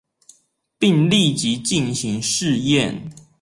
並立即進行試驗